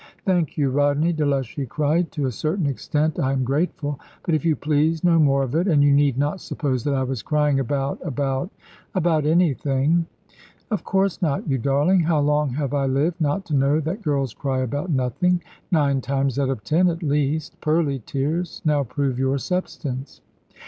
"Thank you, Rodney," Delushy cried; "to a certain extent, I am grateful. But, if you please, no more of it. And you need not suppose that I was crying about, about, about anything." "Of course not, you darling. How long have I lived, not to know that girls cry about nothing? nine times out of ten at least. Pearly tears, now prove your substance."